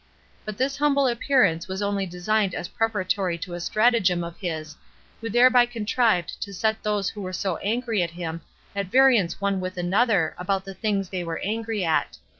But this humble appearance was only designed as preparatory to a stratagem of his, who thereby contrived to set those that were so angry at him at variance one with another about the things they were angry at.